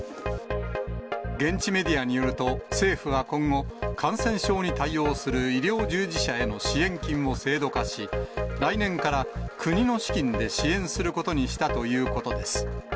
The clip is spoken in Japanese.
現地メディアによると、政府は今後、感染症に対応する医療従事者への支援金を制度化し、来年から国の資金で支援することにしたということです。